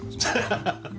ハハハハ！